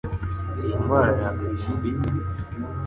Iyi ndwara yakwirindwa ite?